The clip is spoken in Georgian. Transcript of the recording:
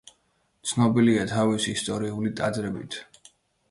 ცნობილია თავისი ისტორიული ტაძრებით.